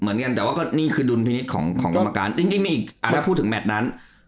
เหมือนกันแต่ว่าก็นี่คือดุลพินิษฐ์ของกรรมการจริงมีอีกถ้าพูดถึงแมทนั้น